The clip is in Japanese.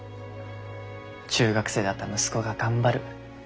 中学生だった息子が頑張る。